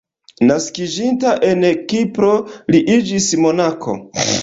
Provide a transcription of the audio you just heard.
Naskiĝinta en Kipro li iĝis monako.